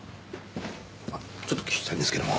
ちょっと聞きたいんですけども。